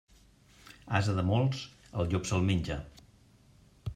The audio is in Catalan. Ase de molts, el llop se'l menja.